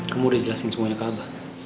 kamu udah jelasin semuanya ke abah